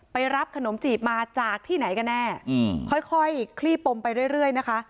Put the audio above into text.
ไปรับขนมจีบมาจากที่ไหนกันแน่อืมค่อยค่อยคลี่ปมไปเรื่อยเรื่อยนะคะ